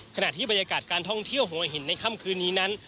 ขณะที่บรรยากาศการท่องเที่ยวหัวหินในค่ำคืนนี้นั้น